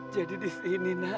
jadi di sini nak